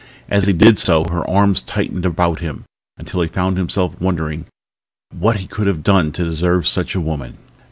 As he did so her arms tightened about him until he found himself wondering what he could have done to deserve such a woman.